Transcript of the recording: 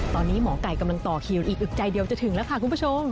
ตอนนี้หมอไก่กำลังต่อคิวอีกอึกใจเดียวจะถึงแล้วค่ะคุณผู้ชม